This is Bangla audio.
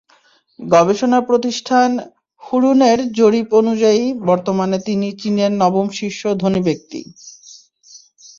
গবেষণা প্রতিষ্ঠান হুরুনের জরিপ অনুযায়ী, বর্তমানে তিনি চীনের নবম শীর্ষ ধনী ব্যক্তি।